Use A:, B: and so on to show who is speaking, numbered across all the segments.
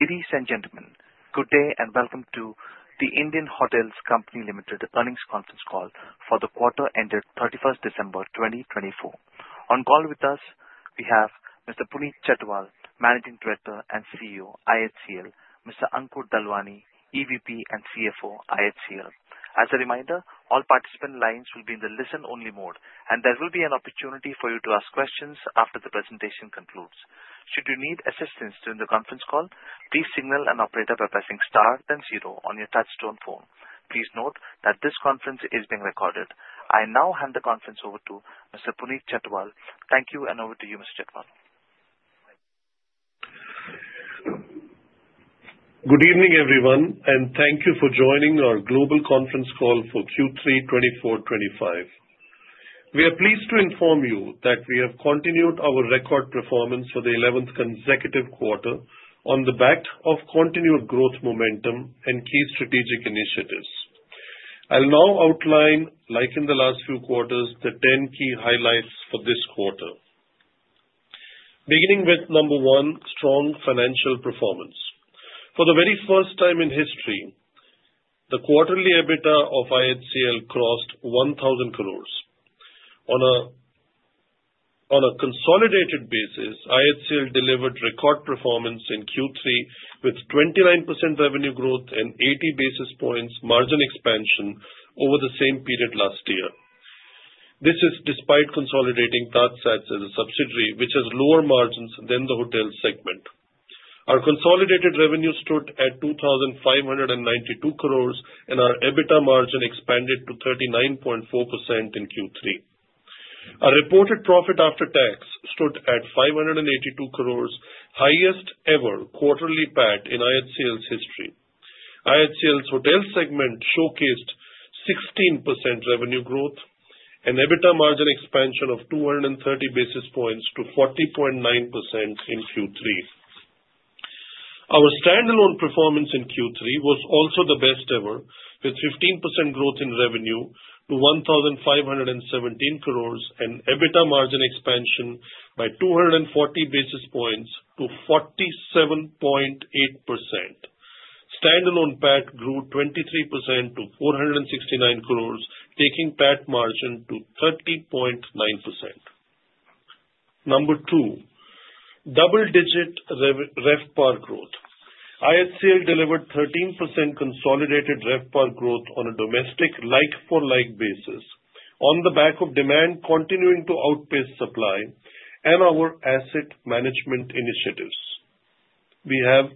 A: Ladies and gentlemen, good day and welcome to the Indian Hotels Company Limited earnings conference call for the quarter ended 31st December 2024. On call with us, we have Mr. Puneet Chhatwal, Managing Director and CEO, IHCL. Mr. Ankur Dalwani, EVP and CFO, IHCL. As a reminder, all participant lines will be in the listen-only mode, and there will be an opportunity for you to ask questions after the presentation concludes. Should you need assistance during the conference call, please signal an operator by pressing star then zero on your touch-tone phone. Please note that this conference is being recorded. I now hand the conference over to Mr. Puneet Chhatwal. Thank you, and over to you, Mr. Chhatwal.
B: Good evening, everyone, and thank you for joining our global conference call for Q3 2024-2025. We are pleased to inform you that we have continued our record performance for the 11th consecutive quarter on the back of continued growth momentum and key strategic initiatives. I'll now outline, like in the last few quarters, the 10 key highlights for this quarter. Beginning with number one, strong financial performance. For the very first time in history, the quarterly EBITDA of IHCL crossed 1,000 crores. On a consolidated basis, IHCL delivered record performance in Q3 with 29% revenue growth and 80 basis points margin expansion over the same period last year. This is despite consolidating TajSATS as a subsidiary, which has lower margins than the hotel segment. Our consolidated revenue stood at 2,592 crores, and our EBITDA margin expanded to 39.4% in Q3. Our reported profit after tax stood at 582 crores, highest ever quarterly PAT in IHCL's history. IHCL's hotel segment showcased 16% revenue growth and EBITDA margin expansion of 230 basis points to 40.9% in Q3. Our standalone performance in Q3 was also the best ever, with 15% growth in revenue to 1,517 crores and EBITDA margin expansion by 240 basis points to 47.8%. Standalone PAT grew 23% to 469 crores, taking PAT margin to 30.9%. Number two, double-digit RevPAR growth. IHCL delivered 13% consolidated RevPAR growth on a domestic like-for-like basis, on the back of demand continuing to outpace supply and our asset management initiatives. We have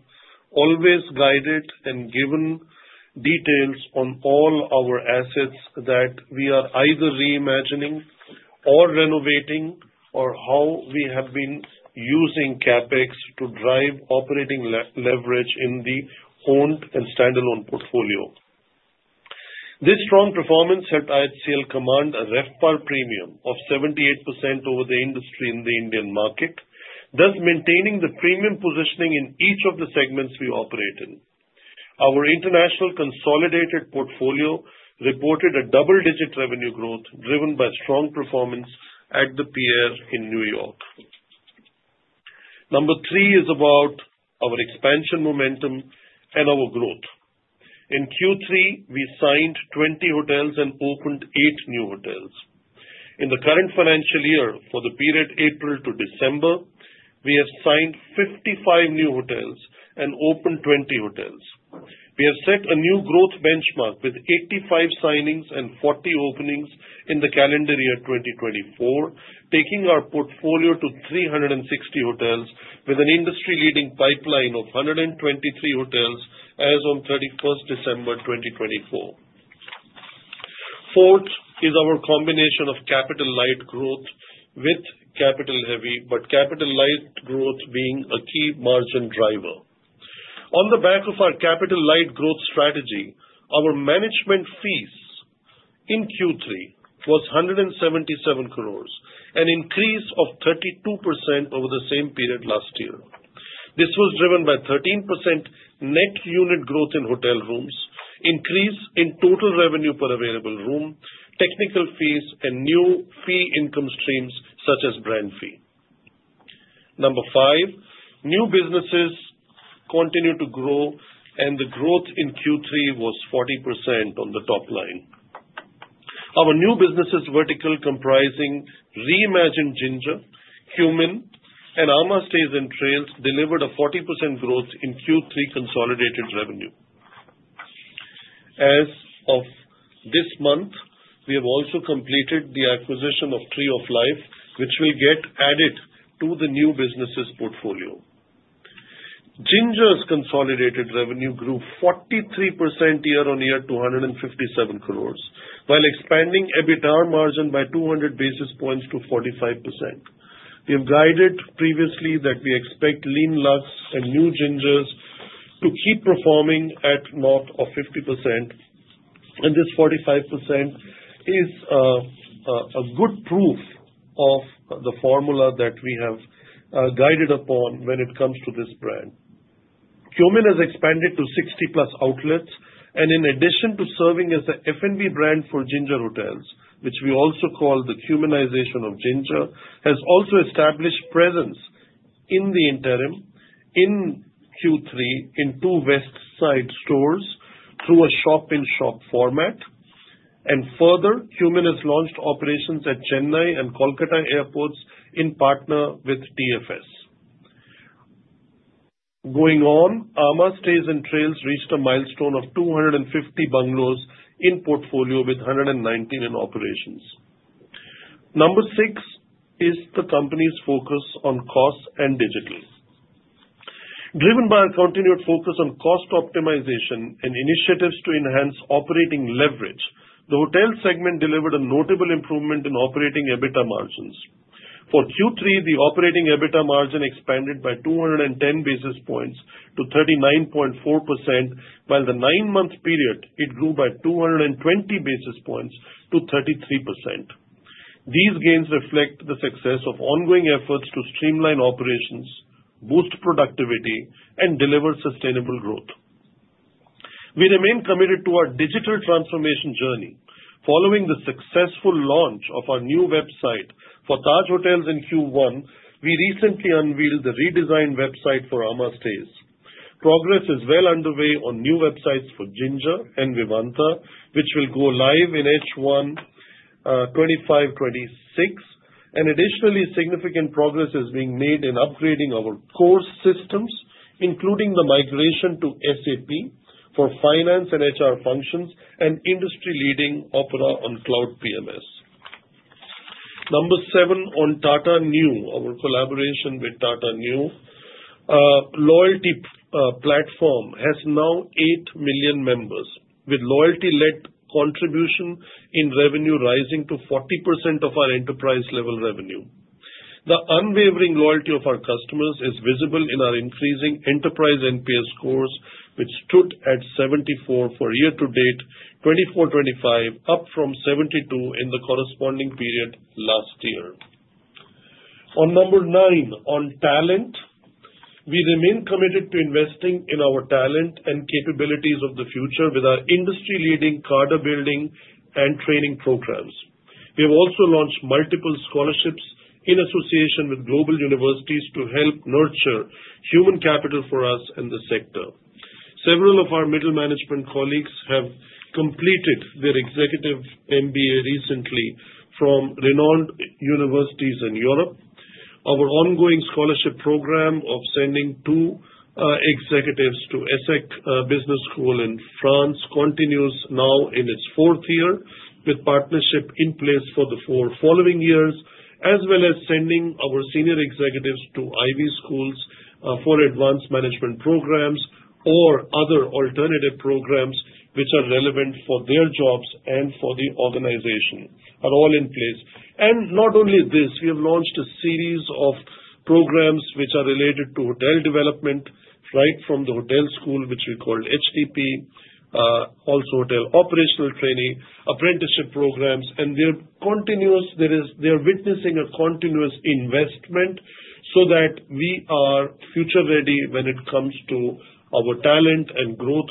B: always guided and given details on all our assets that we are either reimagining or renovating, or how we have been using CapEx to drive operating leverage in the owned and standalone portfolio. This strong performance helped IHCL command a RevPAR premium of 78% over the industry in the Indian market, thus maintaining the premium positioning in each of the segments we operate in. Our international consolidated portfolio reported a double-digit revenue growth driven by strong performance at The Pierre in New York. Number three is about our expansion momentum and our growth. In Q3, we signed 20 hotels and opened eight new hotels. In the current financial year for the period April to December, we have signed 55 new hotels and opened 20 hotels. We have set a new growth benchmark with 85 signings and 40 openings in the calendar year 2024, taking our portfolio to 360 hotels with an industry-leading pipeline of 123 hotels as of 31st December 2024. Fourth is our combination of capital-light growth with capital-heavy, but capital-light growth being a key margin driver. On the back of our Capital-Light growth strategy, our Management Fees in Q3 was 177 crores, an increase of 32% over the same period last year. This was driven by 13% net unit growth in hotel rooms, increase in total revenue per available room, technical fees, and new fee income streams such as Brand Fee. Number five, new businesses continue to grow, and the growth in Q3 was 40% on the top line. Our new businesses vertical comprising Reimagined Ginger, Qmin, and amã Stays & Trails delivered a 40% growth in Q3 consolidated revenue. As of this month, we have also completed the acquisition of Tree of Life, which will get added to the new businesses portfolio. Ginger's consolidated revenue grew 43% year-on-year to 157 crores, while expanding EBITDA margin by 200 basis points to 45%. We have guided previously that we expect Lean Luxe and New Gingers to keep performing at north of 50%, and this 45% is a good proof of the formula that we have guided upon when it comes to this brand. Qmin has expanded to 60-plus outlets, and in addition to serving as an F&B brand for Ginger Hotels, which we also call the Qminization of Ginger, has also established presence in the interim in Q3 in two Westside stores through a shop-in-shop format. And further, Qmin has launched operations at Chennai and Kolkata airports in partnership with TFS. Going on, amã Stays & Trails reached a milestone of 250 bungalows in portfolio with 119 in operations. Number six is the company's focus on cost and digital. Driven by a continued focus on cost optimization and initiatives to enhance operating leverage, the hotel segment delivered a notable improvement in operating EBITDA margins. For Q3, the operating EBITDA margin expanded by 210 basis points to 39.4%, while the nine-month period grew by 220 basis points to 33%. These gains reflect the success of ongoing efforts to streamline operations, boost productivity, and deliver sustainable growth. We remain committed to our digital transformation journey. Following the successful launch of our new website for Taj Hotels in Q1, we recently unveiled the redesigned website for amã Stays & Trails. Progress is well underway on new websites for Ginger and Vivanta, which will go live in H1 2025-2026, and additionally, significant progress is being made in upgrading our core systems, including the migration to SAP for finance and HR functions and industry-leading Opera Cloud PMS. Number seven on Tata Neu, our collaboration with Tata Neu Loyalty Platform has now eight million members, with loyalty-led contribution in revenue rising to 40% of our enterprise-level revenue. The unwavering loyalty of our customers is visible in our increasing enterprise NPS scores, which stood at 74 for year-to-date 2024-2025, up from 72 in the corresponding period last year. On number nine, on talent, we remain committed to investing in our talent and capabilities of the future with our industry-leading charter-building and training programs. We have also launched multiple scholarships in association with global universities to help nurture human capital for us in the sector. Several of our middle management colleagues have completed their executive MBA recently from renowned universities in Europe. Our ongoing scholarship program of sending two executives to ESSEC Business School in France continues now in its fourth year, with partnership in place for the four following years, as well as sending our senior executives to Ivy Schools for advanced management programs or other alternative programs which are relevant for their jobs and for the organization. Are all in place. And not only this, we have launched a series of programs which are related to hotel development right from the hotel school, which we called HDP, also hotel operational trainee apprenticeship programs, and they are continuous. They are witnessing a continuous investment so that we are future-ready when it comes to our talent and growth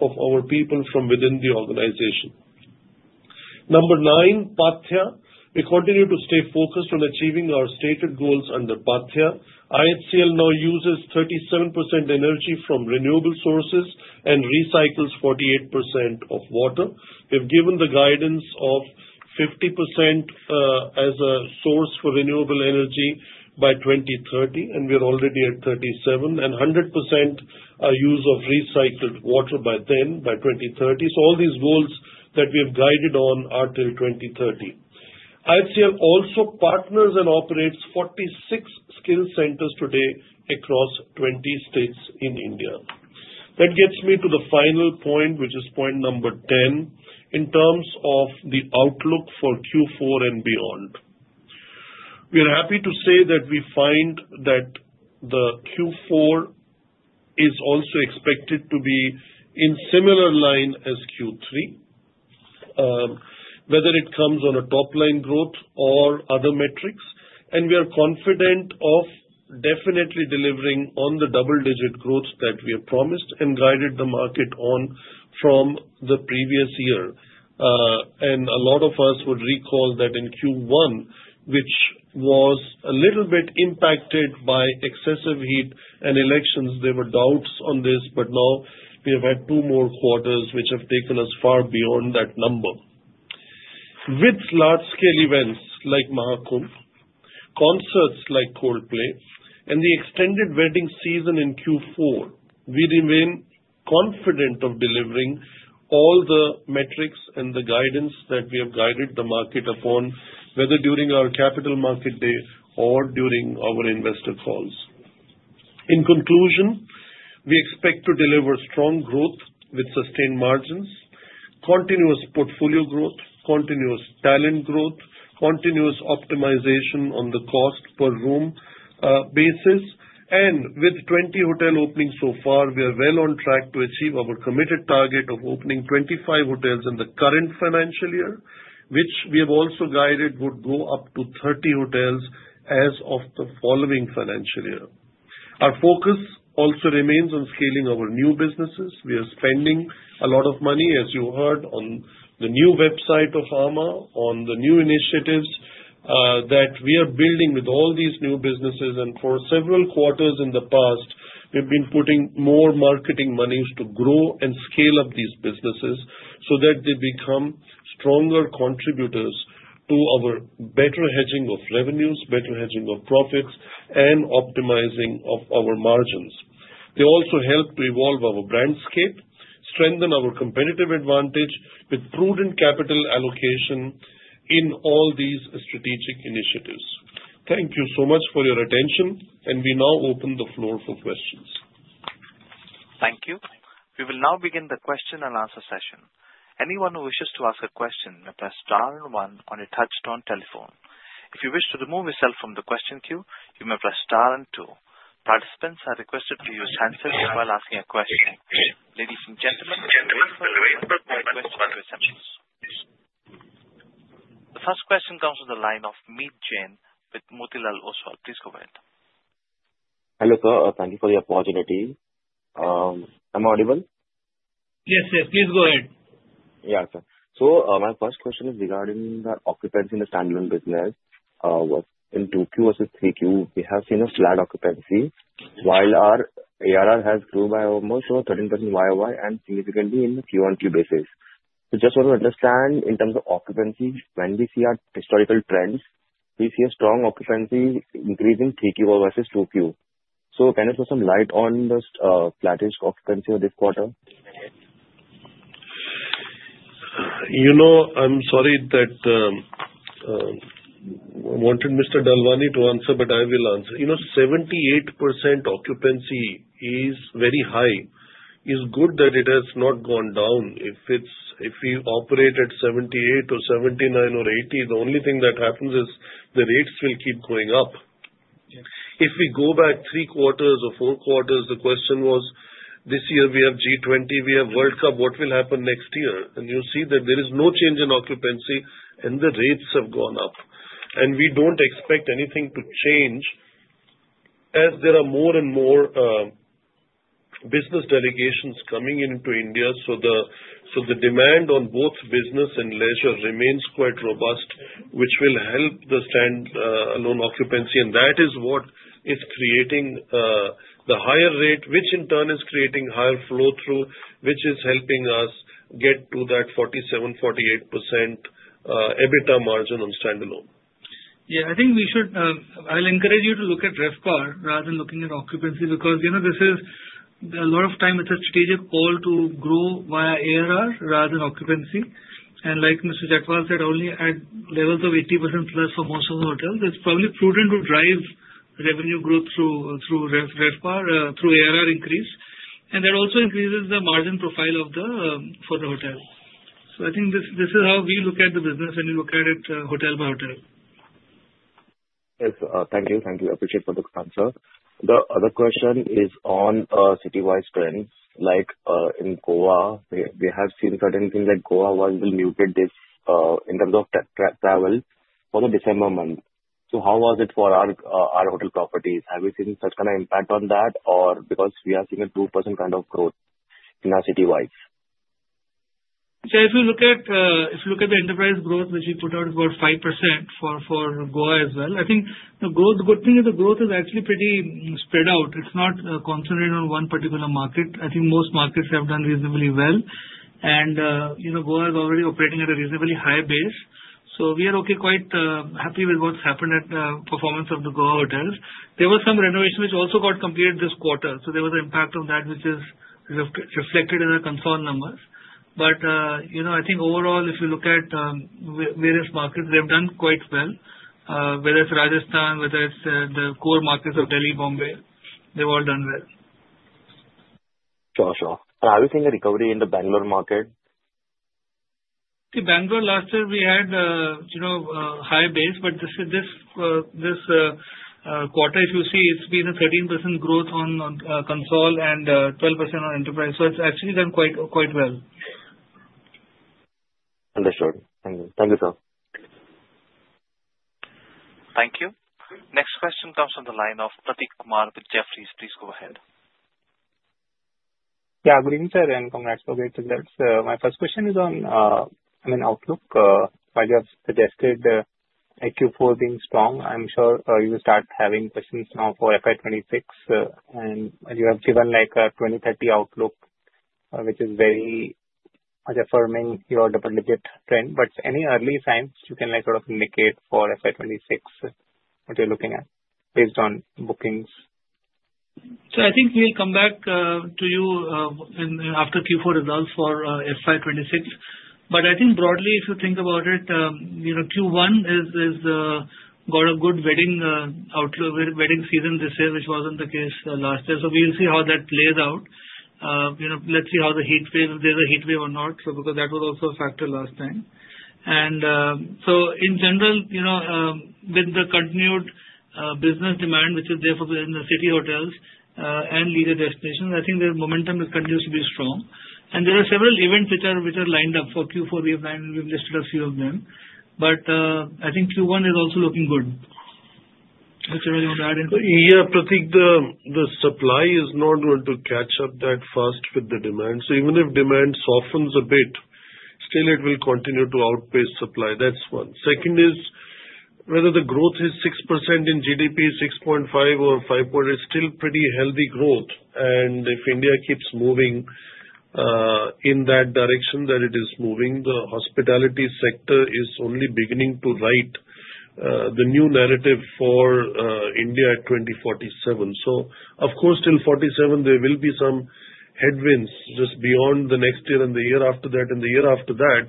B: of our people from within the organization. Number nine, Paathya. We continue to stay focused on achieving our stated goals under Paathya. IHCL now uses 37% energy from renewable sources and recycles 48% of water. We have given the guidance of 50% as a source for renewable energy by 2030, and we are already at 37% and 100% use of recycled water by then by 2030. So all these goals that we have guided on are till 2030. IHCL also partners and operates 46 skill centers today across 20 states in India. That gets me to the final point, which is point number 10 in terms of the outlook for Q4 and beyond. We are happy to say that we find that the Q4 is also expected to be in similar line as Q3, whether it comes on a top-line growth or other metrics, and we are confident of definitely delivering on the double-digit growth that we have promised and guided the market on from the previous year. A lot of us would recall that in Q1, which was a little bit impacted by excessive heat and elections, there were doubts on this, but now we have had two more quarters which have taken us far beyond that number. With large-scale events like Mahakumbh, concerts like Coldplay, and the extended wedding season in Q4, we remain confident of delivering all the metrics and the guidance that we have guided the market upon, whether during our capital market day or during our investor calls. In conclusion, we expect to deliver strong growth with sustained margins, continuous portfolio growth, continuous talent growth, continuous optimization on the cost per room basis, and with 20 hotel openings so far, we are well on track to achieve our committed target of opening 25 hotels in the current financial year, which we have also guided would go up to 30 hotels as of the following financial year. Our focus also remains on scaling our new businesses. We are spending a lot of money, as you heard, on the new website of amã, on the new initiatives that we are building with all these new businesses, and for several quarters in the past, we have been putting more marketing money to grow and scale up these businesses so that they become stronger contributors to our better hedging of revenues, better hedging of profits, and optimizing of our margins. They also help to evolve our brand scale, strengthen our competitive advantage with prudent capital allocation in all these strategic initiatives. Thank you so much for your attention, and we now open the floor for questions.
A: Thank you. We will now begin the question and answer session. Anyone who wishes to ask a question may press star and one on a touch-tone telephone. If you wish to remove yourself from the question queue, you may press star and two. Participants are requested to use handsets while asking a question. Ladies and gentlemen, please welcome the question participants. The first question comes from the line of Meet Jain with Motilal Oswal. Please go ahead.
C: Hello sir, thank you for the opportunity. Am I audible?
B: Yes, yes, please go ahead.
C: Yeah, sir. So my first question is regarding the occupancy in the standalone business. In 2Q versus 3Q, we have seen a flat occupancy, while our ARR has grown by almost 13% YoY and significantly in the Q1, Q basis. So just what we understand in terms of occupancy, when we see our historical trends, we see a strong occupancy increase in 3Q versus 2Q. So can you shed some light on the Paathya's occupancy for this quarter?
B: You know, I'm sorry that I wanted Mr. Dalwani to answer, but I will answer. You know, 78% occupancy is very high. It's good that it has not gone down. If we operate at 78 or 79 or 80, the only thing that happens is the rates will keep going up. If we go back three quarters or four quarters, the question was, this year we have G20, we have World Cup, what will happen next year? And you see that there is no change in occupancy, and the rates have gone up. And we don't expect anything to change as there are more and more business delegations coming into India, so the demand on both business and leisure remains quite robust, which will help the standalone occupancy, and that is what is creating the higher rate, which in turn is creating higher flow-through, which is helping us get to that 47%-48% EBITDA margin on standalone.
D: Yeah, I think we should. I'll encourage you to look at RevPAR rather than looking at occupancy because this is a lot of time it's a strategic goal to grow via ARR rather than occupancy. And like Mr. Chhatwal said, only at levels of 80% plus for most of the hotels, it's probably prudent to drive revenue growth through RevPAR, through ARR increase, and that also increases the margin profile for the hotel. So I think this is how we look at the business when we look at it hotel by hotel.
C: Yes, thank you. Thank you. Appreciate for the answer. The other question is on city-wide trends. Like in Goa, we have seen certain things like Goa was muted in terms of travel for the December month. So how was it for our hotel properties? Have we seen such kind of impact on that or because we are seeing a 2% kind of growth in our city-wide?
D: So if you look at the enterprise growth, which we put out about 5% for Goa as well, I think the growth, the good thing is the growth is actually pretty spread out. It's not concentrated on one particular market. I think most markets have done reasonably well, and Goa is already operating at a reasonably high base. So we are okay, quite happy with what's happened at the performance of the Goa hotels. There was some renovation which also got completed this quarter, so there was an impact on that which is reflected in the consol numbers. But I think overall, if you look at various markets, they have done quite well, whether it's Rajasthan, whether it's the core markets of Delhi, Bombay, they've all done well.
C: Sure, sure. Are we seeing a recovery in the Bangalore market?
D: See, Bangalore last year we had a high base, but this quarter, if you see, it's been a 13% growth on console and 12% on enterprise. So it's actually done quite well.
C: Understood. Thank you. Thank you, sir.
A: Thank you. Next question comes from the line of Prateek Kumar with Jefferies. Please go ahead.
E: Yeah, good evening, sir, and congrats on the strong results. My first question is on, I mean, outlook. While you have suggested Q4 being strong, I'm sure you will start having questions now for FY26, and you have given like a 2030 outlook, which is very affirming your double-digit trend. But any early signs you can sort of indicate for FY26, what you're looking at based on bookings?
D: So I think we'll come back to you after Q4 results for FY26. But I think broadly, if you think about it, Q1 has got a good wedding season this year, which wasn't the case last year. So we'll see how that plays out. Let's see how the heat wave, if there's a heat wave or not, because that was also a factor last time. And so in general, with the continued business demand, which is therefore in the city hotels and leisure destinations, I think the momentum continues to be strong. And there are several events which are lined up for Q4. We have listed a few of them, but I think Q1 is also looking good. Whichever you want to add in.
B: Yeah, Prateek, the supply is not going to catch up that fast with the demand. So even if demand softens a bit, still it will continue to outpace supply. That's one. Second is whether the growth is 6% in GDP, 6.5% or 5.0%. It's still pretty healthy growth. If India keeps moving in that direction that it is moving, the hospitality sector is only beginning to write the new narrative for India at 2047. Of course, till 2047, there will be some headwinds just beyond the next year and the year after that and the year after that.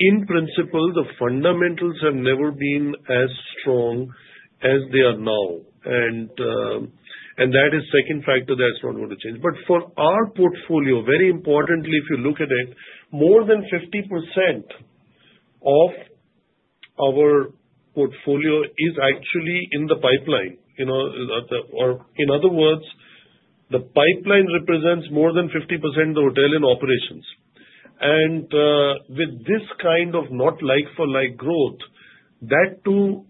B: In principle, the fundamentals have never been as strong as they are now. That is the second factor that's not going to change. For our portfolio, very importantly, if you look at it, more than 50% of our portfolio is actually in the pipeline. In other words, the pipeline represents more than 50% of the hotel in operations. With this kind of not like-for-like growth that too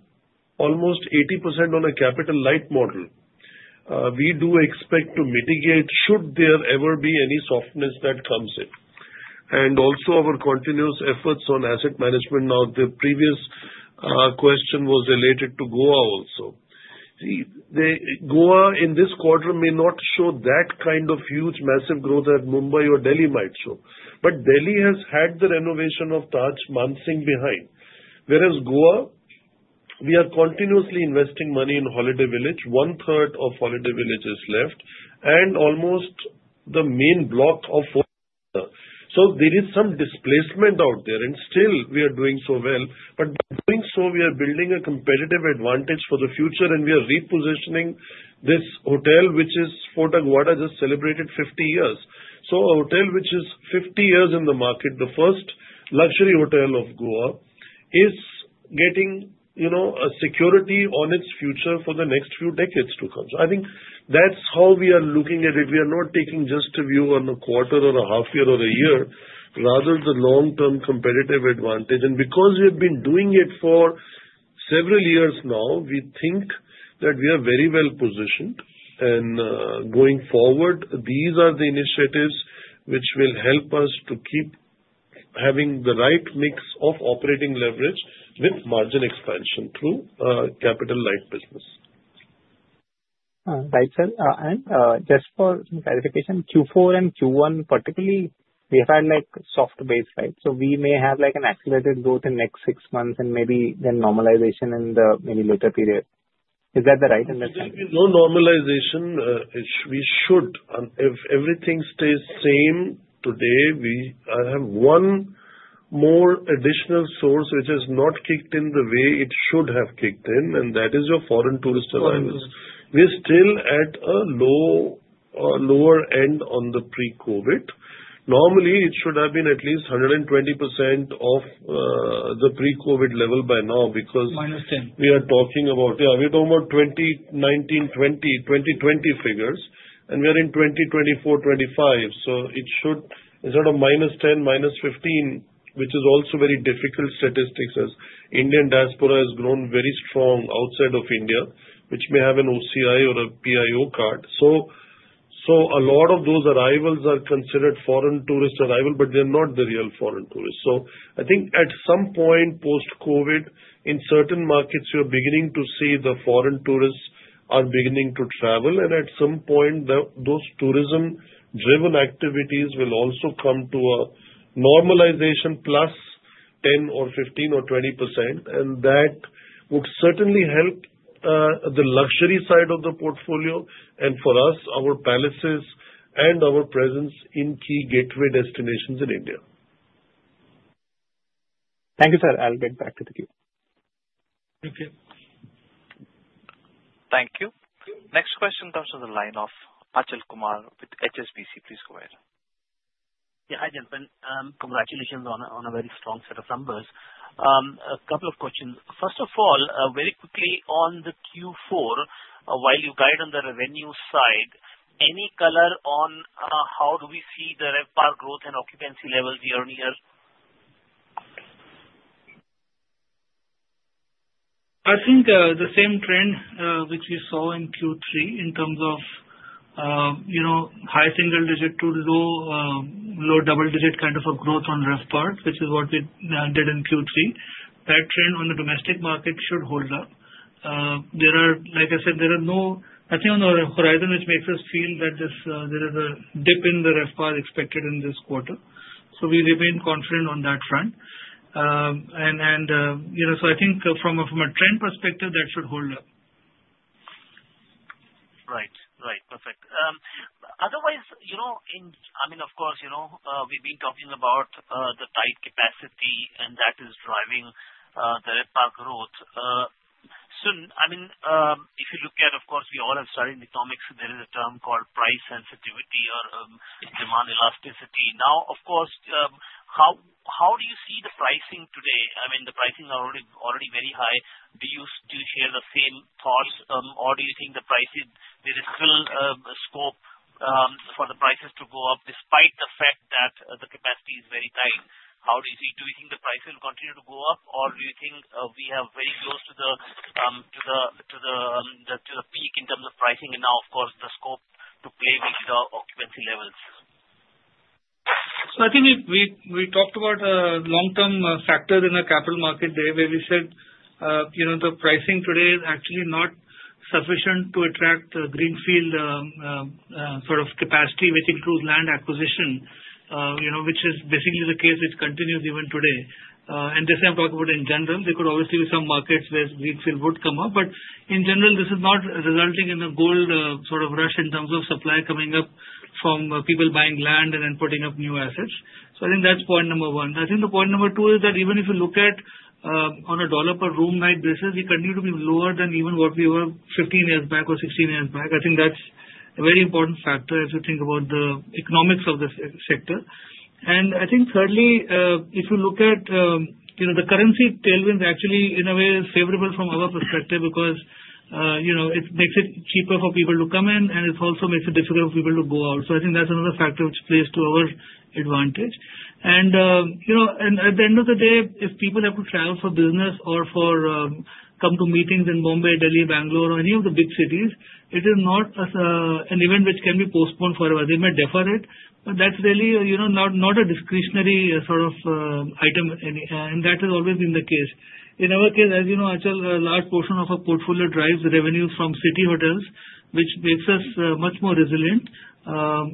B: almost 80% on a capital light model, we do expect to mitigate should there ever be any softness that comes in. Also our continuous efforts on asset management. Now, the previous question was related to Goa also. See, Goa in this quarter may not show that kind of huge massive growth that Mumbai or Delhi might show. But Delhi has had the renovation of Taj Mansingh behind. Whereas Goa, we are continuously investing money in Holiday Village. One third of Holiday Village is left and almost the main block of. So there is some displacement out there, and still we are doing so well. But by doing so, we are building a competitive advantage for the future, and we are repositioning this hotel, which is Fort Aguada, just celebrated 50 years. So a hotel which is 50 years in the market, the first luxury hotel of Goa, is getting a security on its future for the next few decades to come. So I think that's how we are looking at it. We are not taking just a view on a quarter or a half year or a year, rather the long-term competitive advantage. And because we have been doing it for several years now, we think that we are very well positioned. And going forward, these are the initiatives which will help us to keep having the right mix of operating leverage with margin expansion through capital light business.
E: Right, sir. And just for clarification, Q4 and Q1, particularly, we have had soft base, right? So we may have an accelerated growth in the next six months and maybe then normalization in the maybe later period. Is that the right understanding?
B: No normalization. We should. If everything stays same today, I have one more additional source which has not kicked in the way it should have kicked in, and that is your foreign tourist arrivals. We're still at a lower end on the pre-COVID. Normally, it should have been at least 120% of the pre-COVID level by now because we are talking about, yeah, we're talking about 2019, 2020 figures, and we are in 2024, 2025. So it should, instead of minus 10%, minus 15%, which is also very difficult statistics as Indian diaspora has grown very strong outside of India, which may have an OCI or a PIO card. So a lot of those arrivals are considered foreign tourist arrival, but they're not the real foreign tourists. So I think at some point post-COVID, in certain markets, you're beginning to see the foreign tourists are beginning to travel, and at some point, those tourism-driven activities will also come to a normalization plus 10% or 15% or 20%, and that would certainly help the luxury side of the portfolio and for us, our palaces and our presence in key gateway destinations in India.
E: Thank you, sir. I'll get back to the queue.
B: Okay.
A: Thank you. Next question comes from the line of Achal Kumar with HSBC. Please go ahead.
F: Yeah, Achal, congratulations on a very strong set of numbers. A couple of questions. First of all, very quickly on the Q4, while you guide on the revenue side, any color on how do we see the RevPAR growth and occupancy levels year on year?
D: I think the same trend which we saw in Q3 in terms of high single-digit to low double-digit kind of a growth on RevPAR, which is what we did in Q3. That trend on the domestic market should hold up. There are, like I said, no, I think on the horizon, which makes us feel that there is a dip in the RevPAR expected in this quarter. So we remain confident on that front. And so I think from a trend perspective, that should hold up.
F: Right, right. Perfect. Otherwise, I mean, of course, we've been talking about the tight capacity, and that is driving the RevPAR growth. I mean, if you look at, of course, we all have studied economics, there is a term called price sensitivity or demand elasticity. Now, of course, how do you see the pricing today? I mean, the pricing is already very high. Do you share the same thoughts, or do you think the prices, there is still scope for the prices to go up despite the fact that the capacity is very tight? How do you see it? Do you think the prices will continue to go up, or do you think we have very close to the peak in terms of pricing and now, of course, the scope to play with the occupancy levels?
D: So I think we talked about long-term factors in the capital market day where we said the pricing today is actually not sufficient to attract the greenfield sort of capacity, which includes land acquisition, which is basically the case which continues even today, and this I'm talking about in general. There could obviously be some markets where greenfield would come up, but in general, this is not resulting in a gold sort of rush in terms of supply coming up from people buying land and then putting up new assets. So I think that's point number one. I think the point number two is that even if you look at on a dollar per room night basis, we continue to be lower than even what we were 15 years back or 16 years back. I think that's a very important factor if you think about the economics of the sector. And I think thirdly, if you look at the currency tailwinds, actually, in a way, it's favorable from our perspective because it makes it cheaper for people to come in, and it also makes it difficult for people to go out. I think that's another factor which plays to our advantage. And at the end of the day, if people have to travel for business or come to meetings in Mumbai, Delhi, Bangalore, or any of the big cities, it is not an event which can be postponed forever. They may defer it, but that's really not a discretionary sort of item, and that has always been the case. In our case, as you know, Achal, a large portion of our portfolio drives revenues from city hotels, which makes us much more resilient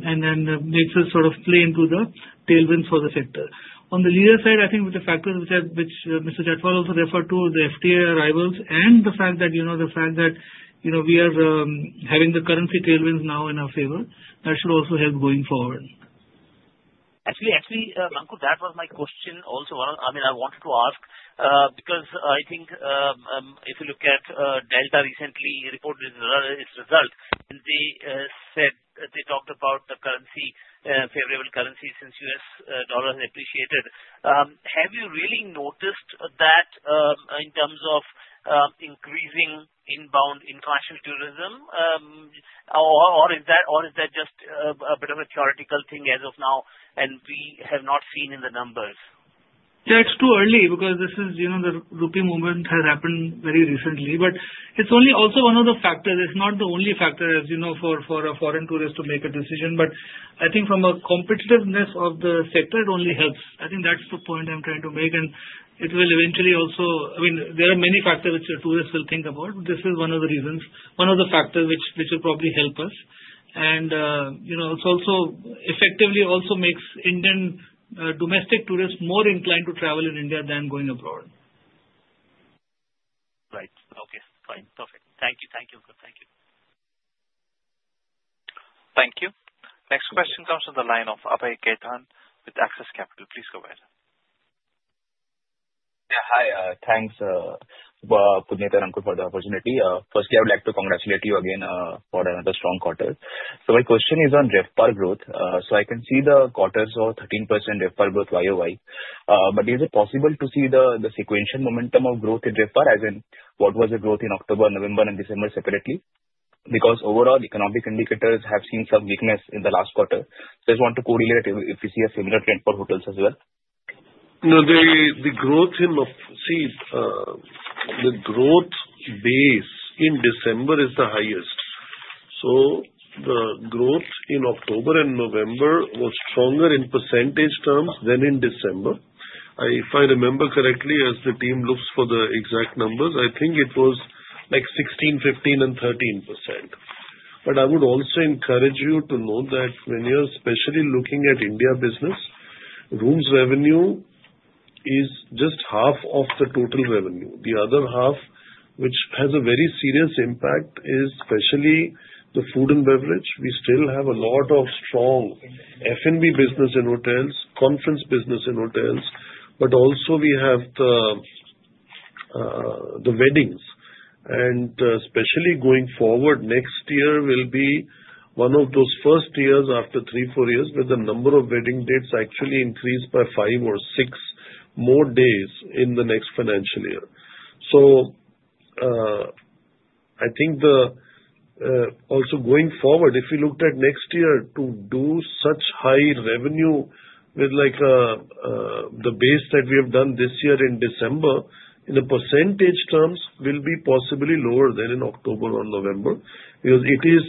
D: and then makes us sort of play into the tailwinds for the sector. On the leisure side, I think with the factors which Mr. Chhatwal also referred to, the FTA arrivals and the fact that we are having the currency tailwinds now in our favor, that should also help going forward.
F: Actually, Ankur, that was my question also. I mean, I wanted to ask because I think if you look at Delta recently reported its result, they said they talked about the currency, favorable currency since US dollar has appreciated. Have you really noticed that in terms of increasing inbound international tourism, or is that just a bit of a theoretical thing as of now and we have not seen in the numbers?
D: Yeah, it's too early because this is the rupee movement has happened very recently, but it's only also one of the factors. It's not the only factor, as you know, for a foreign tourist to make a decision, but I think from a competitiveness of the sector, it only helps. I think that's the point I'm trying to make, and it will eventually also I mean, there are many factors which tourists will think about, but this is one of the reasons, one of the factors which will probably help us, and it also effectively also makes domestic tourists more inclined to travel in India than going abroad.
F: Right. Okay. Fine. Perfect. Thank you. Thank you. Thank you.
A: Thank you. Next question comes from the line of Abhay Khaitan with Axis Capital. Please go ahead.
G: Yeah. Hi. Thanks, Puneet and Ankur, for the opportunity. Firstly, I would like to congratulate you again for another strong quarter. So my question is on RevPAR growth. So I can see the quarters are 13% RevPAR growth YOY, but is it possible to see the sequential momentum of growth in RevPAR, as in what was the growth in October, November, and December separately? Because overall, economic indicators have seen some weakness in the last quarter. So I just want to correlate if you see a similar trend for hotels as well.
B: No, the growth base in December is the highest. So the growth in October and November was stronger in percentage terms than in December. If I remember correctly, as the team looks for the exact numbers, I think it was like 16%, 15%, and 13%. But I would also encourage you to note that when you're especially looking at India business, rooms revenue is just half of the total revenue. The other half, which has a very serious impact, is especially the food and beverage. We still have a lot of strong F&B business in hotels, conference business in hotels, but also we have the weddings. Especially going forward, next year will be one of those first years after three, four years where the number of wedding dates actually increased by five or six more days in the next financial year. I think also going forward, if you looked at next year to do such high revenue with the base that we have done this year in December, in percentage terms, will be possibly lower than in October or November because it is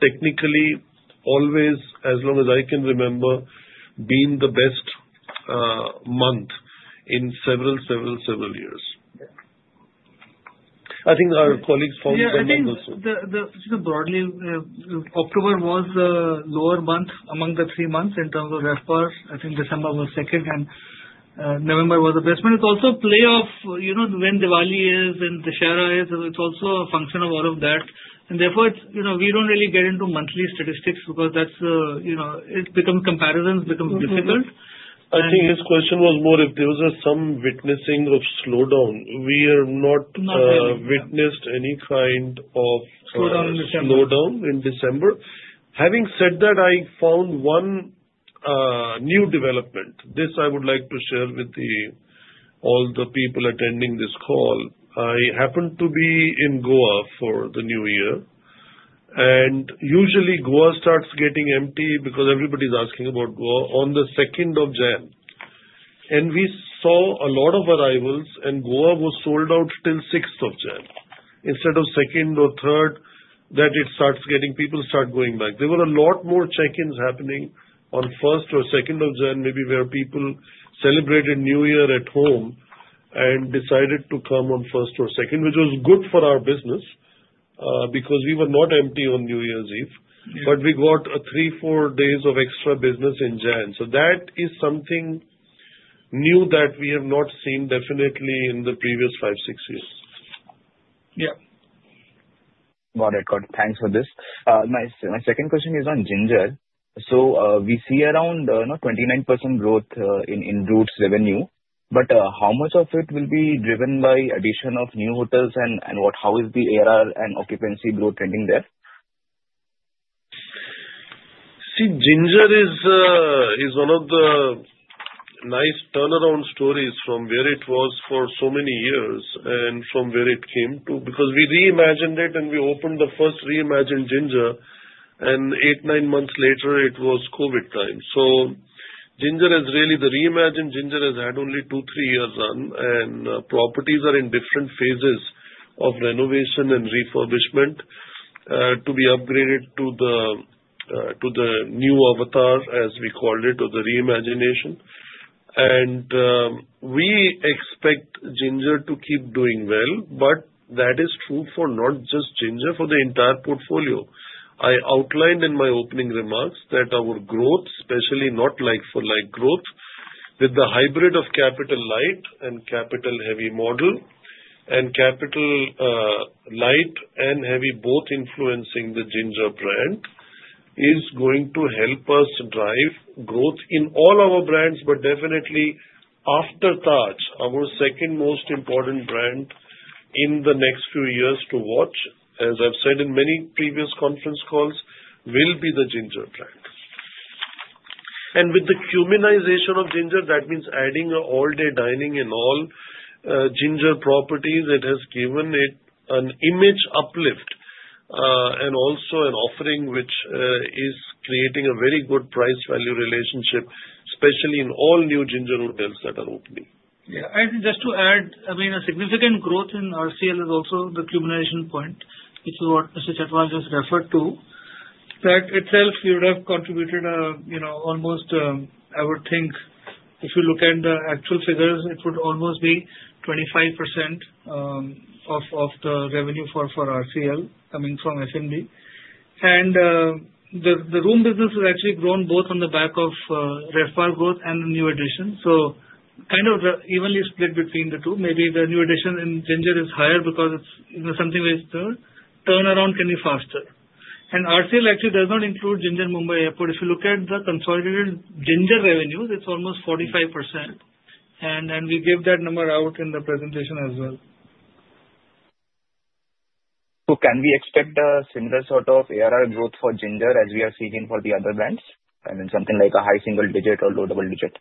B: technically always, as long as I can remember, been the best month in several, several, several years. I think our colleagues found that also so.
D: Yeah, I think just broadly, October was the lower month among the three months in terms of RevPAR. I think December was second, and November was the best month. It's also a play of when Diwali is and Dussehra is, and it's also a function of all of that. Therefore, we don't really get into monthly statistics because comparisons become difficult.
B: I think his question was more if there was some witnessing of slowdown. We have not witnessed any kind of slowdown in December. Having said that, I found one new development. This I would like to share with all the people attending this call. I happened to be in Goa for the New Year, and usually Goa starts getting empty because everybody's asking about Goa on the second of January. We saw a lot of arrivals, and Goa was sold out till sixth of January. Instead of second or third, that it starts getting people start going back. There were a lot more check-ins happening on first or second of January, maybe where people celebrated New Year at home and decided to come on first or second, which was good for our business because we were not empty on New Year's Eve, but we got three, four days of extra business in January. So that is something new that we have not seen definitely in the previous five, six years.
G: Yeah. Got it. Got it. Thanks for this. My second question is on Ginger. So we see around 29% growth in room revenue, but how much of it will be driven by addition of new hotels and how is the ARR and occupancy growth trending there?
B: See, Ginger is one of the nice turnaround stories from where it was for so many years and from where it came to because we reimagined it and we opened the first reimagined Ginger, and eight, nine months later, it was COVID time. So Ginger is really the reimagined Ginger has had only two, three years run, and properties are in different phases of renovation and refurbishment to be upgraded to the new avatar, as we called it, or the reimagination. And we expect Ginger to keep doing well, but that is true for not just Ginger, for the entire portfolio. I outlined in my opening remarks that our growth, especially not like-for-like growth with the hybrid of capital light and capital heavy model and capital light and heavy both influencing the Ginger brand is going to help us drive growth in all our brands, but definitely after Taj, our second most important brand in the next few years to watch, as I've said in many previous conference calls, will be the Ginger brand. And with the Qminization of Ginger, that means adding all-day dining and all Ginger properties. It has given it an image uplift and also an offering which is creating a very good price-value relationship, especially in all new Ginger hotels that are opening.
D: Yeah. I think just to add, I mean, a significant growth in IHCL is also the Qminization point, which is what Mr. Chhatwal just referred to. That itself, we would have contributed almost, I would think, if you look at the actual figures, it would almost be 25% of the revenue for IHCL coming from F&B. And the room business has actually grown both on the back of RevPAR growth and the new addition. So kind of evenly split between the two. Maybe the new addition in Ginger is higher because it's something where turnaround can be faster. And IHCL actually does not include Ginger Mumbai Airport. If you look at the consolidated Ginger revenues, it's almost 45%, and we gave that number out in the presentation as well.
G: So can we expect a similar sort of ARR growth for Ginger as we are seeing for the other brands? I mean, something like a high single digit or low double digit?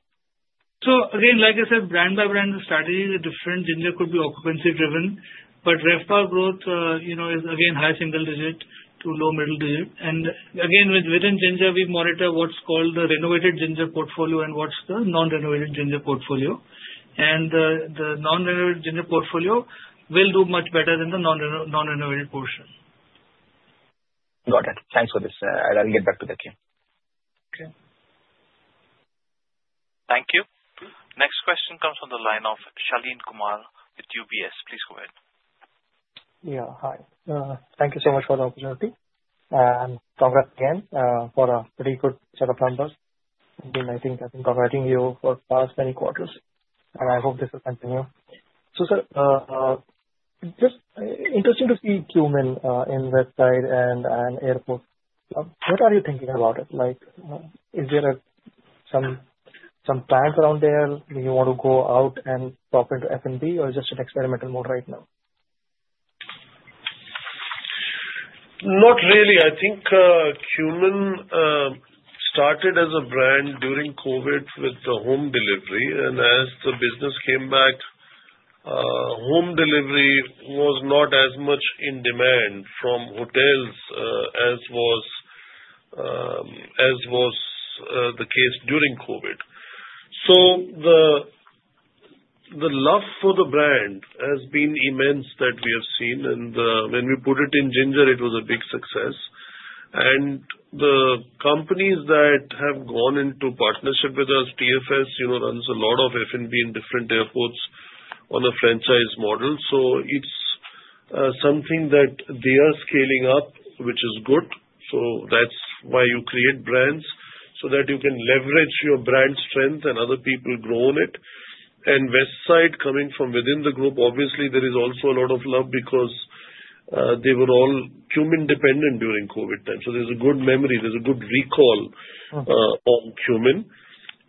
G: So again, like I said, brand by brand strategy is different.
D: Ginger could be occupancy driven, but RevPAR growth is again high single digit to low middle digit. And again, within Ginger, we monitor what's called the renovated Ginger portfolio and what's the non-renovated Ginger portfolio. And the non-renovated Ginger portfolio will do much better than the non-renovated portion.
G: Got it. Thanks for this. I'll get back to the queue. Okay.
A: Thank you. Next question comes from the line of Shaleen Kumar with UBS. Please go ahead.
H: Yeah. Hi. Thank you so much for the opportunity. And congrats again for a pretty good set of numbers. I think I've been congratulating you for past many quarters, and I hope this will continue. So sir, just interesting to see Qmin in Westside and airport. What are you thinking about it? Is there some plans around there? Do you want to go out and drop into F&B or just an experimental mode right now?
B: Not really. I think Qmin started as a brand during COVID with the home delivery, and as the business came back, home delivery was not as much in demand from hotels as was the case during COVID. So the love for the brand has been immense that we have seen, and when we put it in Ginger, it was a big success. And the companies that have gone into partnership with us, TFS runs a lot of F&B in different airports on a franchise model. So it's something that they are scaling up, which is good. So that's why you create brands so that you can leverage your brand strength and other people grow on it. Westside, coming from within the group, obviously, there is also a lot of love because they were all Qmin dependent during COVID time. So there's a good memory. There's a good recall on Qmin.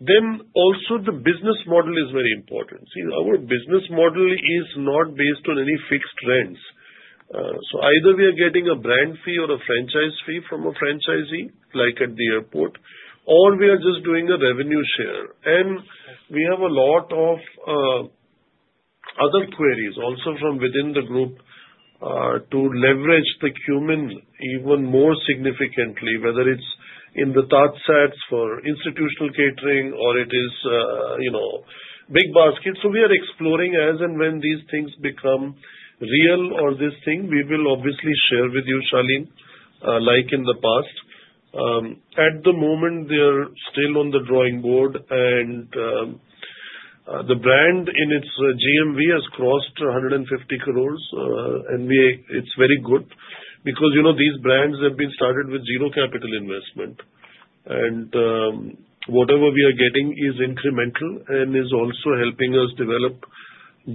B: Then also, the business model is very important. See, our business model is not based on any fixed rents. So either we are getting a brand fee or a franchise fee from a franchisee like at the airport, or we are just doing a revenue share. And we have a lot of other queries also from within the group to leverage the Qmin even more significantly, whether it's in the TajSATS for institutional catering or it is BigBasket. So we are exploring as and when these things become real or this thing, we will obviously share with you, Shaleen, like in the past. At the moment, they're still on the drawing board, and the brand in its GMV has crossed 150 crores, and it's very good because these brands have been started with zero capital investment, and whatever we are getting is incremental and is also helping us develop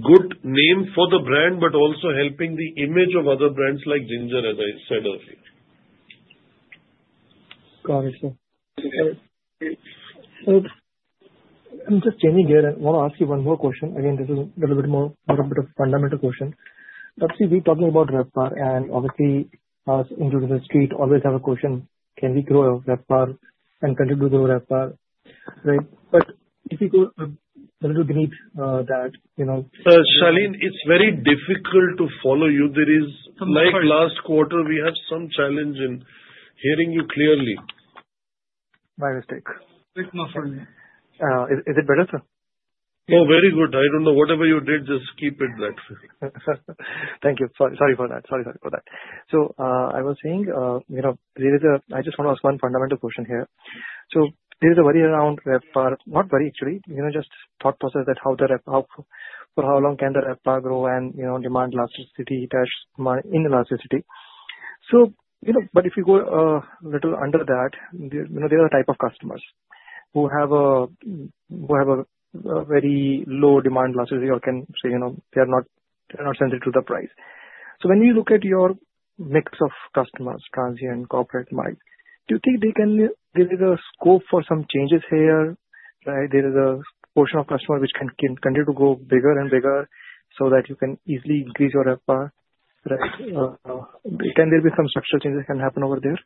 B: good name for the brand, but also helping the image of other brands like Ginger, as I said earlier.
H: Got it, sir. I'm just changing gear and want to ask you one more question. Again, this is a little bit more of a fundamental question. Let's see, we're talking about RevPAR, and obviously, us in the street always have a question, can we grow RevPAR and continue to grow RevPAR? Right? But if you go a little beneath that.
B: Shaleen, it's very difficult to follow you. There is. Like last quarter, we had some challenge in hearing you clearly. By mistake.
H: Is it better, sir?
B: Oh, very good. I don't know. Whatever you did, just keep it that way.
H: Thank you. Sorry for that. Sorry, sorry for that. So I was saying, there is a I just want to ask one fundamental question here. So there is a worry around RevPAR, not worry actually, just thought process that how long can the RevPAR grow and demand elasticity in elasticity. So but if you go a little under that, there are a type of customers who have a very low demand elasticity or can say they are not sensitive to the price. So when you look at your mix of customers, transient, corporate, MICE, do you think they can give you the scope for some changes here? Right? There is a portion of customers which can continue to grow bigger and bigger so that you can easily increase your RevPAR. Right? Can there be some structural changes that can happen over there?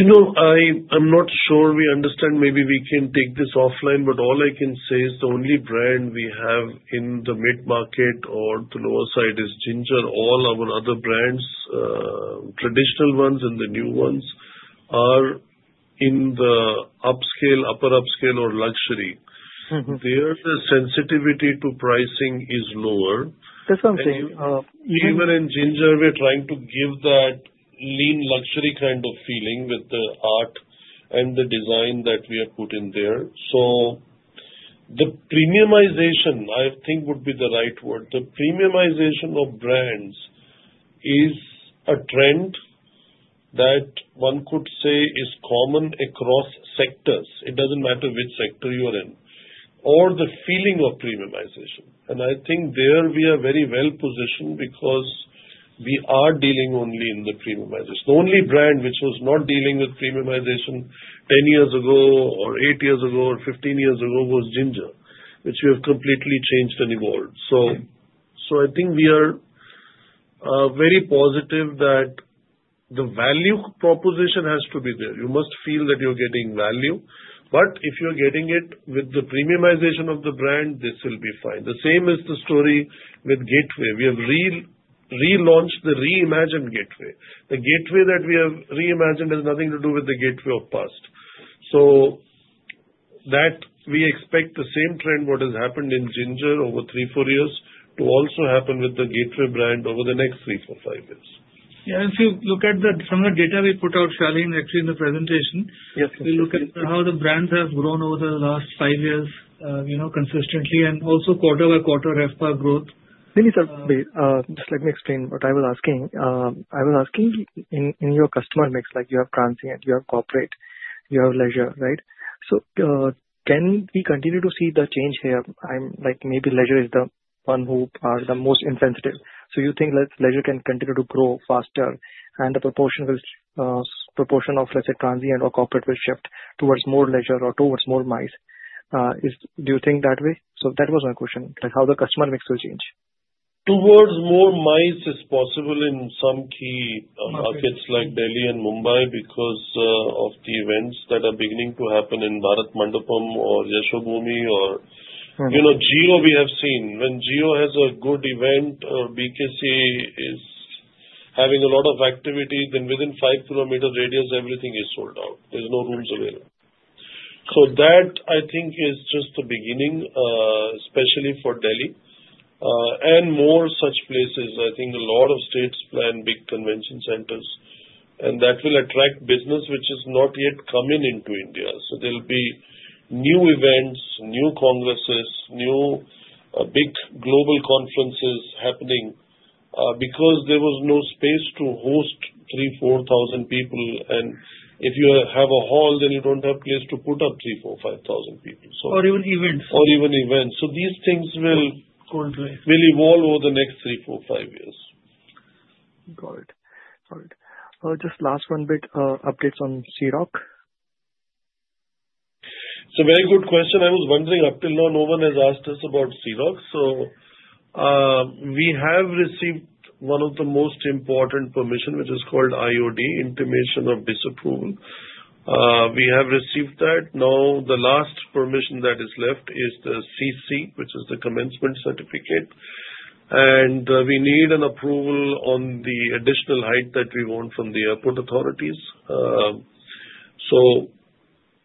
B: I'm not sure. We understand. Maybe we can take this offline, but all I can say is the only brand we have in the mid-market or the lower side is Ginger. All our other brands, traditional ones and the new ones, are in the upscale, upper upscale or luxury. There's a sensitivity to pricing is lower.
H: That's what I'm saying.
B: Even in Ginger, we're trying to give that lean luxury kind of feeling with the art and the design that we have put in there. So the premiumization, I think, would be the right word. The premiumization of brands is a trend that one could say is common across sectors. It doesn't matter which sector you are in or the feeling of premiumization. I think there we are very well positioned because we are dealing only in the premiumization. The only brand which was not dealing with premiumization 10 years ago or eight years ago or 15 years ago was Ginger, which we have completely changed and evolved. I think we are very positive that the value proposition has to be there. You must feel that you're getting value. But if you're getting it with the premiumization of the brand, this will be fine. The same is the story with Gateway. We have relaunched the reimagined Gateway. The Gateway that we have reimagined has nothing to do with the Gateway of past. That we expect the same trend what has happened in Ginger over three, four years to also happen with the Gateway brand over the next three, four, five years.
D: Yeah. And if you look at the data we put out, Shaleen, actually in the presentation, we look at how the brands have grown over the last five years consistently and also quarter by quarter RevPAR growth.
H: Let me just explain what I was asking. I was asking in your customer mix, like you have transient, you have corporate, you have leisure, right? So can we continue to see the change here? Maybe leisure is the one who are the most insensitive. So you think leisure can continue to grow faster and the proportion of, let's say, transient or corporate will shift towards more leisure or towards more MICE? Do you think that way? So that was my question, how the customer mix will change.
B: Towards more MICE is possible in some key markets like Delhi and Mumbai because of the events that are beginning to happen in Bharat Mandapam or Yashobhoomi or Jio we have seen. When Jio has a good event or BKC is having a lot of activity, then within five kilometer radius, everything is sold out. There's no rooms available. So that, I think, is just the beginning, especially for Delhi and more such places. I think a lot of states plan big convention centers, and that will attract business which has not yet come into India. So there'll be new events, new congresses, new big global conferences happening because there was no space to host 3,000, 4,000 people. And if you have a hall, then you don't have place to put up 3,000, 4,000, 5,000 people.
D: Or even events.
B: Or even events. So these things will evolve over the next three, four, five years.
H: Got it. Got it. Just last one bit, updates on Sea Rock?
B: It's a very good question. I was wondering, up till now, no one has asked us about Sea Rock. So we have received one of the most important permission, which is called IOD, intimation of disapproval. We have received that. Now, the last permission that is left is the CC, which is the commencement certificate. And we need an approval on the additional height that we want from the airport authorities. So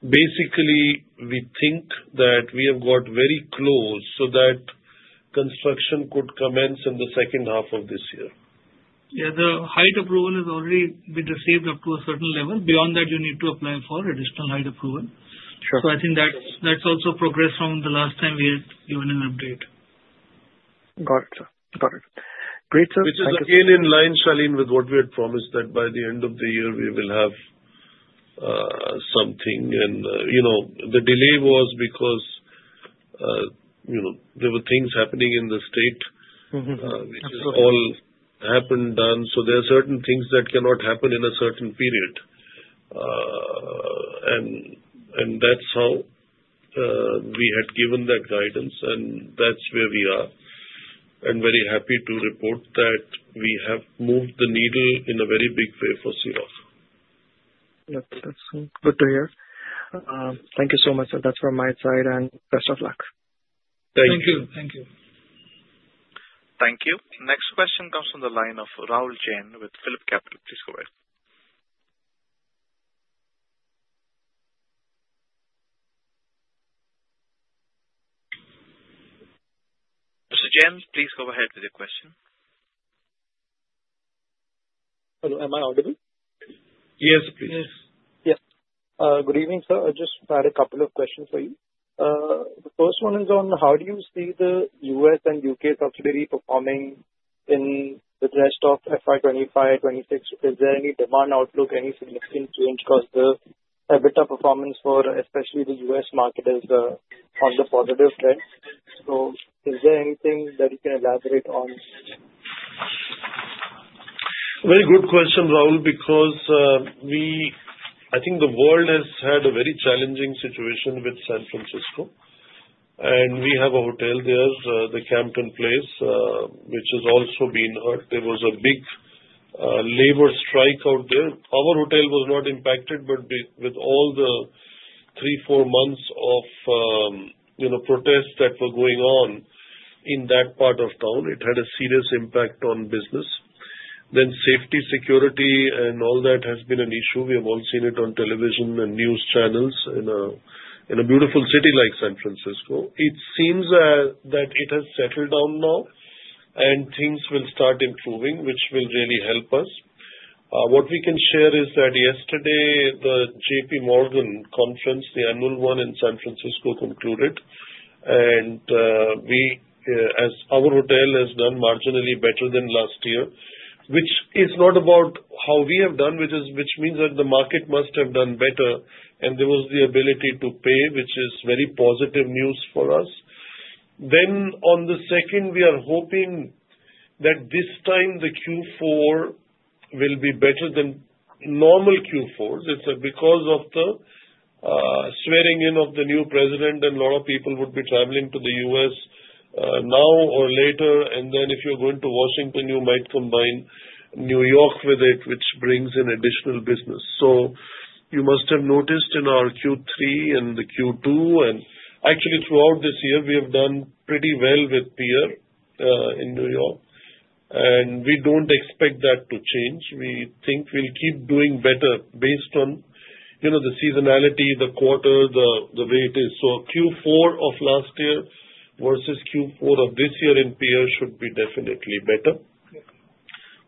B: basically, we think that we have got very close so that construction could commence in the second half of this year.
D: Yeah. The height approval has already been received up to a certain level. Beyond that, you need to apply for additional height approval. So I think that's also progressed from the last time we had given an update.
H: Got it. Got it. Great.
B: Which is again in line, Shaleen, with what we had promised that by the end of the year, we will have something. And the delay was because there were things happening in the state, which is all happened, done. So there are certain things that cannot happen in a certain period. And that's how we had given that guidance, and that's where we are. And very happy to report that we have moved the needle in a very big way for Sea Rock.
H: That's good to hear. Thank you so much. And that's from my side, and best of luck. Thank you. Thank you.
B: Thank you.
A: Thank you. Next question comes from the line of Rahul Jain with PhillipCapital. Please go ahead. Mr. Jain, please go ahead with your question.
I: Hello. Am I audible?
B: Yes, please. Yes.
I: Good evening, sir. I just had a couple of questions for you. The first one is on how do you see the US and UK subsidiary performing in the rest of FY25, FY26? Is there any demand outlook, any significant change? Because the EBITDA performance for especially the US market is on the positive trend. So is there anything that you can elaborate on?
B: Very good question, Rahul, because I think the world has had a very challenging situation with San Francisco. And we have a hotel there, the Campton Place, which has also been hurt. There was a big labor strike out there. Our hotel was not impacted, but with all the three, four months of protests that were going on in that part of town, it had a serious impact on business. Safety, security, and all that has been an issue. We have all seen it on television and news channels in a beautiful city like San Francisco. It seems that it has settled down now, and things will start improving, which will really help us. What we can share is that yesterday, the JPMorgan conference, the annual one in San Francisco, concluded. And our hotel has done marginally better than last year, which is not about how we have done, which means that the market must have done better, and there was the ability to pay, which is very positive news for us. Then on the second, we are hoping that this time the Q4 will be better than normal Q4s because of the swearing in of the new president, and a lot of people would be traveling to the US now or later. And then if you're going to Washington, you might combine New York with it, which brings in additional business. So you must have noticed in our Q3 and the Q2, and actually throughout this year, we have done pretty well with Pierre in New York. And we don't expect that to change. We think we'll keep doing better based on the seasonality, the quarter, the way it is. So Q4 of last year versus Q4 of this year in Pierre should be definitely better.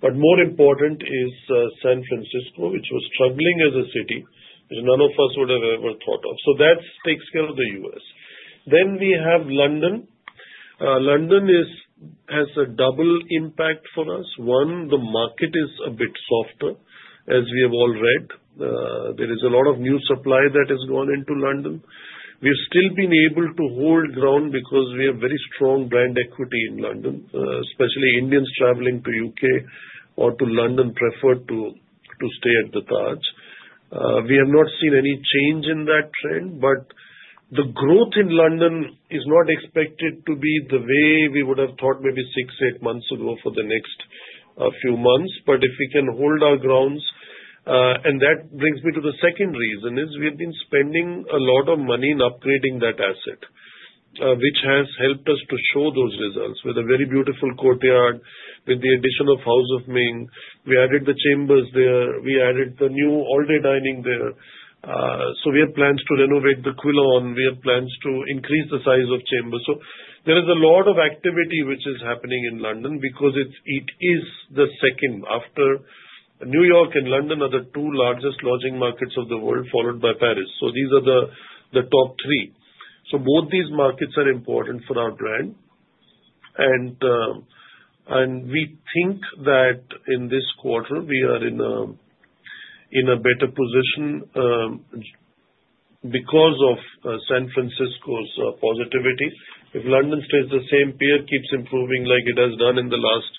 B: But more important is San Francisco, which was struggling as a city that none of us would have ever thought of. So that takes care of the US Then we have London. London has a double impact for us. One, the market is a bit softer, as we have all read. There is a lot of new supply that has gone into London. We've still been able to hold ground because we have very strong brand equity in London, especially Indians traveling to UK or to London prefer to stay at the Taj. We have not seen any change in that trend, but the growth in London is not expected to be the way we would have thought maybe six, eight months ago for the next few months, but if we can hold our grounds, and that brings me to the second reason, is we have been spending a lot of money in upgrading that asset. which has helped us to show those results with a very beautiful courtyard, with the addition of House of Ming, we added the Chambers there, we added the new all-day dining there, so we have plans to renovate the Quilon, we have plans to increase the size of Chambers. So there is a lot of activity which is happening in London because it is the second after New York and London are the two largest lodging markets of the world, followed by Paris. So these are the top three. So both these markets are important for our brand. And we think that in this quarter, we are in a better position because of San Francisco's positivity. If London stays the same, Pierre keeps improving like it has done in the last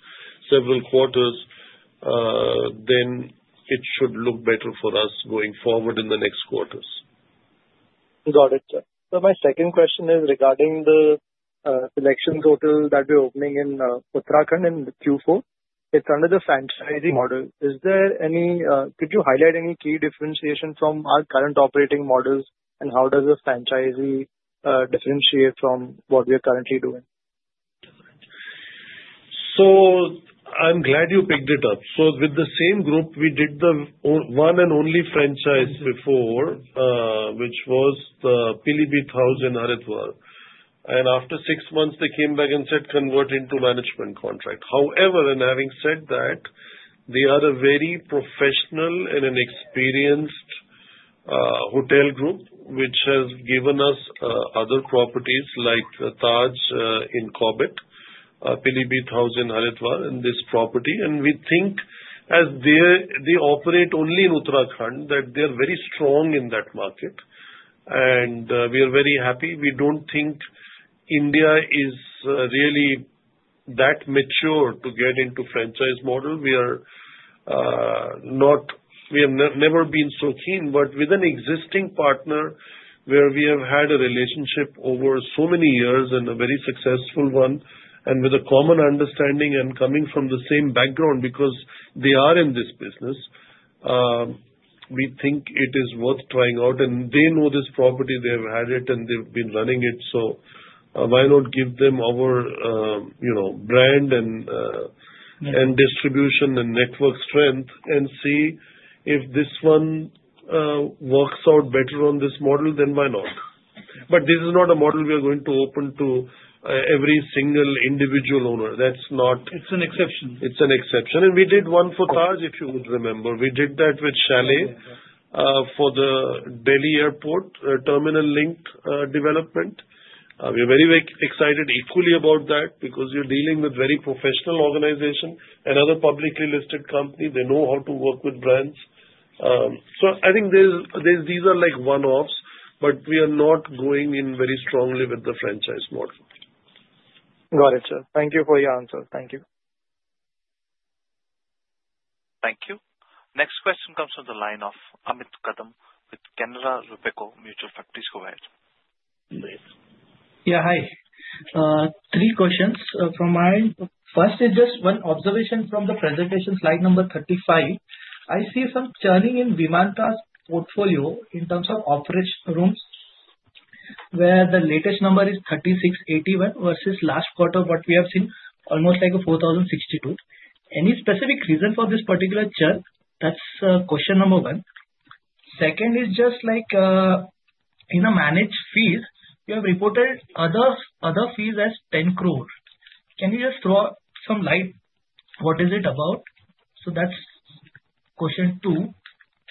B: several quarters, then it should look better for us going forward in the next quarters.
I: Got it, sir. So my second question is regarding the SeleQtions that we're opening in Uttarakhand in Q4. It's under the franchise model. Is there any, could you highlight any key differentiation from our current operating models, and how does the franchisee differentiate from what we are currently doing?
B: So I'm glad you picked it up. So with the same group, we did the one and only franchise before, which was the Pilibhit House in Haridwar. And after six months, they came back and said, "Convert into management contract." However, and having said that, they are a very professional and an experienced hotel group, which has given us other properties like Taj in Corbett, Pilibhit House in Haridwar, and this property. And we think, as they operate only in Uttarakhand, that they are very strong in that market. And we are very happy. We don't think India is really that mature to get into franchise model. We are not—we have never been so keen. But with an existing partner where we have had a relationship over so many years and a very successful one and with a common understanding and coming from the same background because they are in this business, we think it is worth trying out. And they know this property. They have had it, and they've been running it. So why not give them our brand and distribution and network strength and see if this one works out better on this model? Then why not? But this is not a model we are going to open to every single individual owner. That's not.
D: It's an exception.
B: It's an exception. And we did one for Taj, if you would remember. We did that with Shaleen for the Delhi Airport terminal link development. We are very excited equally about that because you're dealing with a very professional organization and other publicly listed companies. They know how to work with brands.
D: So I think these are like one-offs, but we are not going in very strongly with the franchise model.
I: Got it, sir. Thank you for your answer. Thank you.
A: Thank you. Next question comes from the line of Amit Kadam with Canara Robeco Mutual Fund. Go ahead.
J: Yeah. Hi. Three questions from me. First is just one observation from the presentation slide number 35. I see some churning in Vivanta's portfolio in terms of operating rooms, where the latest number is 3,681 versus last quarter, what we have seen, almost like a 4,062. Any specific reason for this particular churn? That's question number one. Second is just like in management fees, you have reported other fees as 10 crore. Can you just throw some light? What is it about? So that's question two.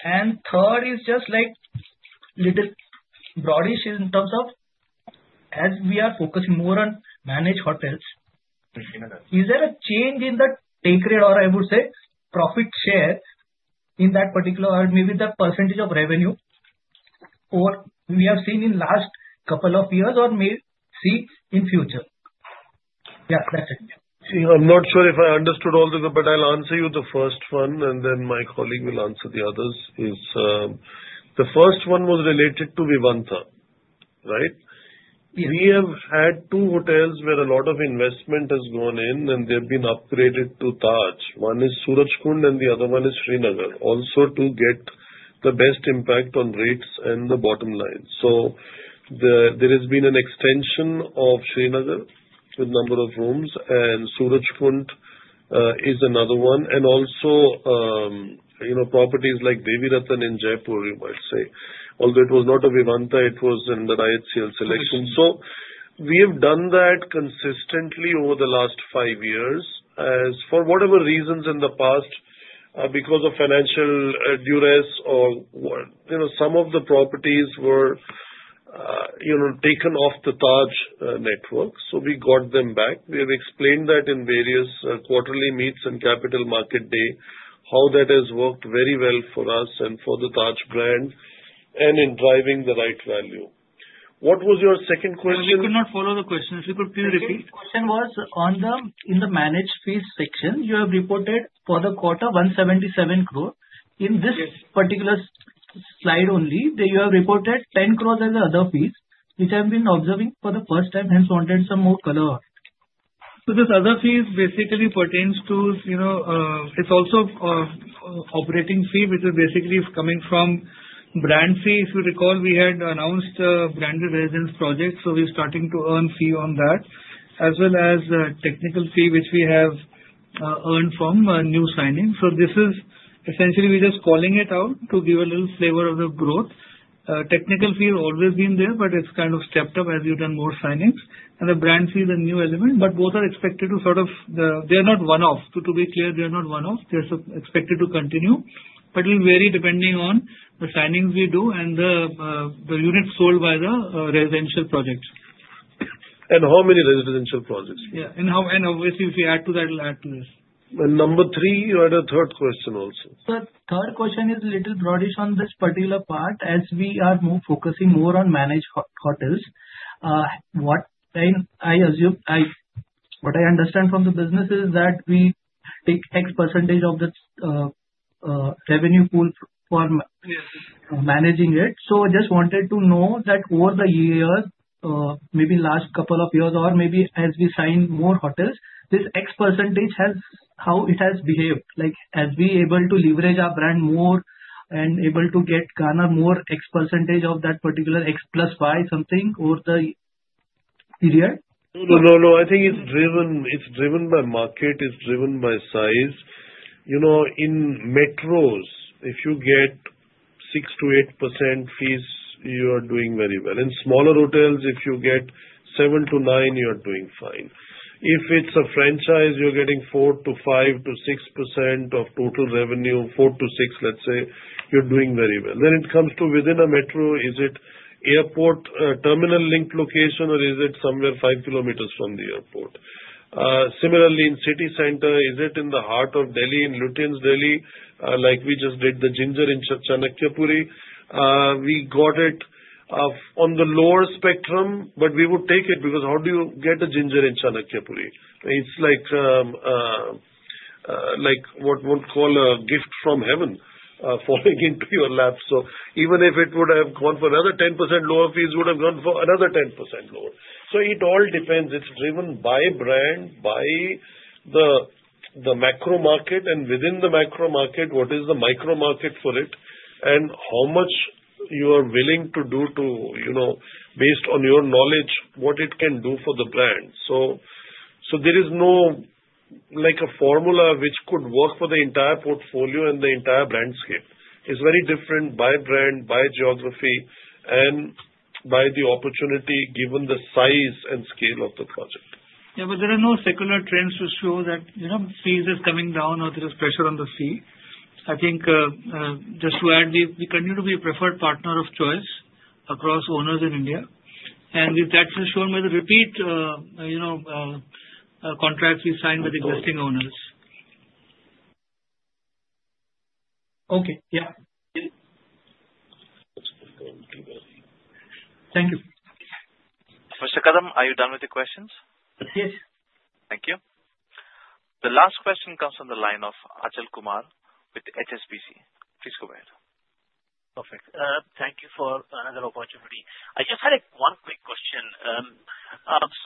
J: Third is just like a little broadish in terms of, as we are focusing more on managed hotels, is there a change in the take rate or I would say profit share in that particular or maybe the percentage of revenue? Or we have seen in the last couple of years or may see in future? Yeah, that's it.
B: I'm not sure if I understood all of them, but I'll answer you the first one, and then my colleague will answer the others. The first one was related to Vivanta, right? We have had two hotels where a lot of investment has gone in, and they have been upgraded to Taj. One is Surajkund, and the other one is Srinagar, also to get the best impact on rates and the bottom line. There has been an extension of Srinagar with a number of rooms, and Surajkund is another one. Also, properties like Devi Ratn in Jaipur, you might say, although it was not a Vivanta, it was in the SeleQtions. We have done that consistently over the last five years for whatever reasons in the past, because of financial duress or some of the properties were taken off the Taj network. We got them back. We have explained that in various quarterly meets and capital market day, how that has worked very well for us and for the Taj brand and in driving the right value.
D: What was your second question? If you could not follow the question, if you could please repeat. Second question was on the management fees section. You have reported for the quarter 177 crore. In this particular slide only, you have reported 10 crores as the other fees, which I've been observing for the first time, hence wanted some more color on it. So this other fee basically pertains to. It's also an operating fee, which is basically coming from brand fee. If you recall, we had announced a branded residence project, so we're starting to earn fee on that, as well as a technical fee, which we have earned from new signings. So this is essentially. We're just calling it out to give a little flavor of the growth. Technical fee has always been there, but it's kind of stepped up as we've done more signings. And the brand fee is a new element, but both are expected to sort of. They're not one-off. To be clear, they're not one-off. They're expected to continue, but it'll vary depending on the signings we do and the units sold by the residential projects.
J: And how many residential projects?
D: Yeah. And obviously, if you add to that, it'll add to this.
B: And number three, you had a third question also.
D: The third question is a little broadish on this particular part. As we are focusing more on managed hotels, what I understand from the business is that we take X percentage of the revenue pool for managing it. So I just wanted to know that over the years, maybe last couple of years or maybe as we signed more hotels, this X percentage, how it has behaved, as we are able to leverage our brand more and able to get kind of more X percentage of that particular X plus Y something over the period?
B: No, no, no, no. I think it's driven by market. It's driven by size. In metros, if you get 6%-8% fees, you are doing very well. In smaller hotels, if you get 7%-9%, you are doing fine. If it's a franchise, you're getting 4%-6% of total revenue, 4%-6%, let's say, you're doing very well. When it comes to within a metro, is it airport terminal link location, or is it somewhere 5 km from the airport? Similarly, in city center, is it in the heart of Delhi, in Lutyens' Delhi, like we just did the Ginger in Chanakyapuri? We got it on the lower spectrum, but we would take it because how do you get a Ginger in Chanakyapuri? It's like what we would call a gift from heaven falling into your lap. So even if it would have gone for another 10% lower fees, it would have gone for another 10% lower. So it all depends. It's driven by brand, by the macro market, and within the macro market, what is the micro market for it, and how much you are willing to do based on your knowledge, what it can do for the brand. So there is no formula which could work for the entire portfolio and the entire brand scale. It's very different by brand, by geography, and by the opportunity given the size and scale of the project.
D: Yeah, but there are no secular trends to show that fees are coming down or there is pressure on the fee. I think just to add, we continue to be a preferred partner of choice across owners in India, and that's ensured by the repeat contracts we signed with existing owners.
J: Okay. Yeah. Thank you.
D: Mr. Kadam, are you done with the questions?
J: Yes.
A: Thank you. The last question comes from the line of Achal Kumar with HSBC. Please go ahead.
F: Perfect. Thank you for another opportunity. I just had one quick question.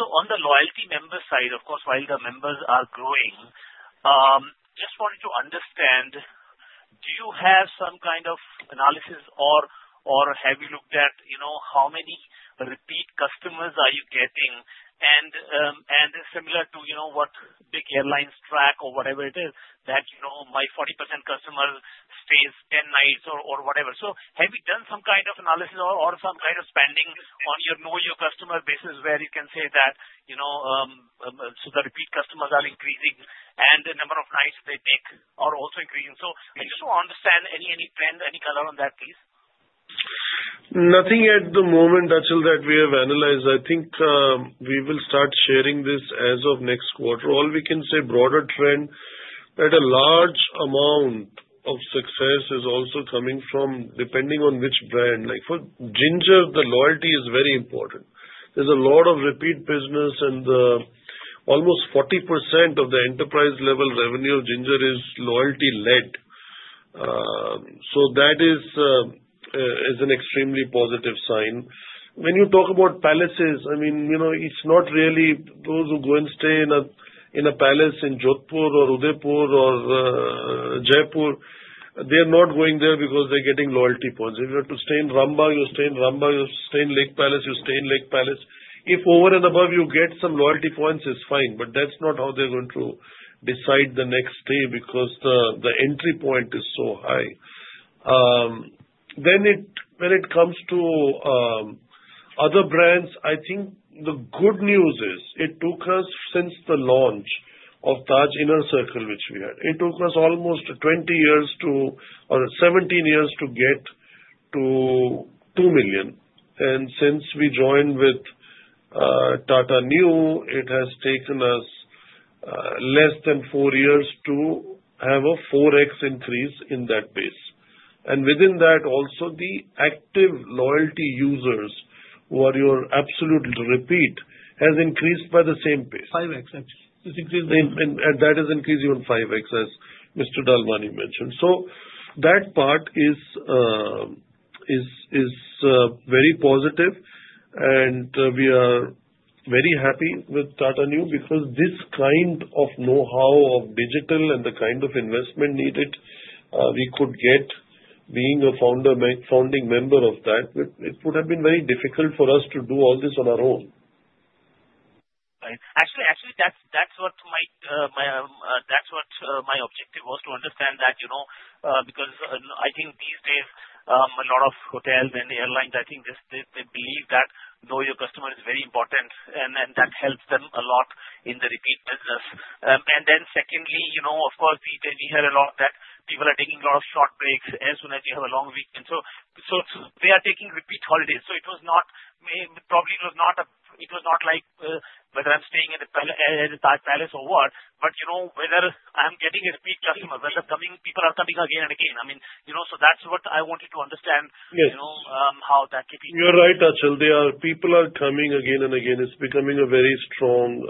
F: So on the loyalty member side, of course, while the members are growing, just wanted to understand, do you have some kind of analysis, or have you looked at how many repeat customers are you getting? And similar to what big airlines track or whatever it is, that my 40% customer stays 10 nights or whatever. So have you done some kind of analysis or some kind of spending on your know-your-customer basis where you can say that so the repeat customers are increasing and the number of nights they take are also increasing? So I just want to understand any trend, any color on that, please.
B: Nothing at the moment, Achal, that we have analyzed. I think we will start sharing this as of next quarter. All we can say, broader trend that a large amount of success is also coming from depending on which brand. For Ginger, the loyalty is very important. There's a lot of repeat business, and almost 40% of the enterprise-level revenue of Ginger is loyalty-led. So that is an extremely positive sign. When you talk about palaces, I mean, it's not really those who go and stay in a palace in Jodhpur or Udaipur or Jaipur. They are not going there because they're getting loyalty points. If you have to stay in Rambagh, you stay in Rambagh. You stay in Lake Palace. You stay in Lake Palace. If over and above you get some loyalty points, it's fine. But that's not how they're going to decide the next stay because the entry point is so high. When it comes to other brands, I think the good news is it took us since the launch of Taj Inner Circle, which we had, it took us almost 20 years to or 17 years to get to two million. And since we joined with Tata Neu, it has taken us less than four years to have a 4x increase in that base. And within that, also the active loyalty users, who are your absolute repeat, has increased by the same pace. 5x, actually. It's increased by 5x. And that has increased even 5x, as Mr. Dalwani mentioned. So that part is very positive, and we are very happy with Tata Neu because this kind of know-how of digital and the kind of investment needed we could get, being a founding member of that. It would have been very difficult for us to do all this on our own.
F: Actually, that's what my objective was to understand that because I think these days, a lot of hotels and airlines, I think they believe that know-your-customer is very important, and that helps them a lot in the repeat business. And then secondly, of course, we had a lot of that. People are taking a lot of short breaks as soon as you have a long weekend. So they are taking repeat holidays. So it was not like whether I'm staying at a Taj Palace or what, but whether I'm getting a repeat customer, whether people are coming again and again. I mean, so that's what I wanted to understand how that could be.
B: You're right, Achal. People are coming again and again. It's becoming a very strong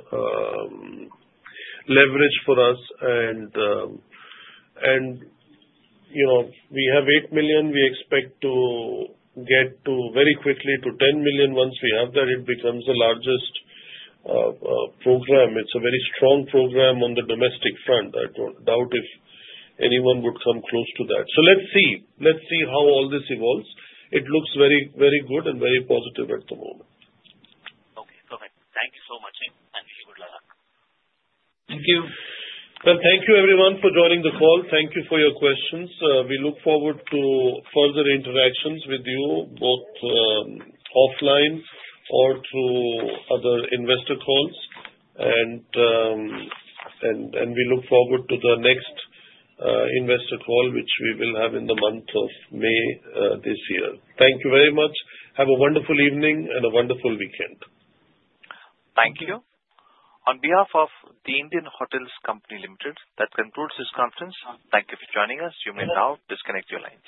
B: leverage for us. And we have 8 million. We expect to get very quickly to 10 million. Once we have that, it becomes the largest program. It's a very strong program on the domestic front. I don't doubt if anyone would come close to that. So let's see how all this evolves. It looks very good and very positive at the moment.
F: Okay. Perfect. Thank you so much, and really good luck. Thank you.
B: Well, thank you, everyone, for joining the call. Thank you for your questions. We look forward to further interactions with you, both offline or through other investor calls. We look forward to the next investor call, which we will have in the month of May this year. Thank you very much. Have a wonderful evening and a wonderful weekend.
A: Thank you. On behalf of the Indian Hotels Company Limited, that concludes this conference. Thank you for joining us. You may now disconnect your lines.